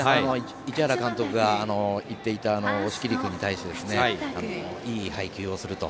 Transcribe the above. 市原監督が言っていた押切君に対していい配球をすると。